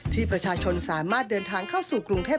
ที่ประชาชนสามารถเดินทางเข้าสู่กรุงเทพ